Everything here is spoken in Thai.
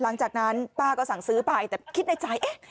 หลังจากนั้นป้าก็สั่งซื้อไปแต่คิดในใจเอ๊ะ